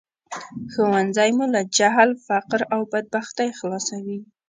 ښوونځی مو له جهل، فقر او بدبختۍ خلاصوي